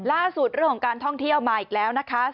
เรื่องของการท่องเที่ยวมาอีกแล้วนะคะ